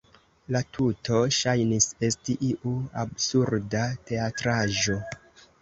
La tuto ŝajnis esti iu absurda teatraĵo.